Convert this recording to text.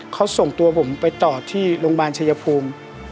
เค้าส่งตัวผมไปต่อที่ลงบานช่ายภูมิ